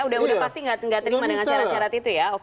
udah pasti nggak terima dengan syarat syarat itu ya